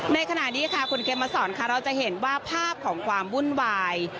ในขณะนี้ค่ะคุณเขมมาสอนค่ะเราจะเห็นว่าภาพของความวุ่นวาย